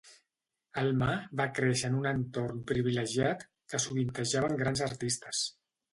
Alma va créixer en un entorn privilegiat que sovintejaven grans artistes.